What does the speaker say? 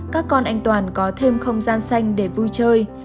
các con anh toàn có thêm không gian xanh để vui chơi